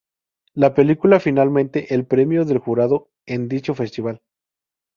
La película finalmente el Premio del Jurado en dicho festival.